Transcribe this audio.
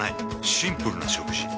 シンプルな食事。